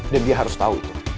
dan dia harus tau itu